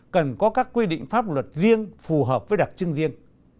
cần có các quy định pháp luật riêng phù hợp với đặc trưng riêng